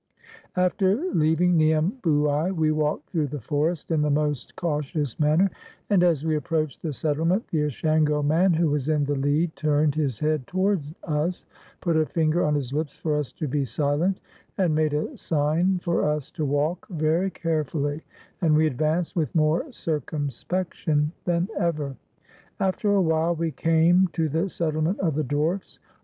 After leaving Niembouai we walked through the forest in the most cautious manner, and as we approached the settlement the Ashango man who was in the lead turned his head toward us, put a finger on his lips for us to be silent, and made a sign for us to walk very carefully, and we advanced with more circumspection than ever. After a while we came to the settlement of the dwarfs.